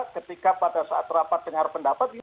ketika pada saat rapat dengar pendapat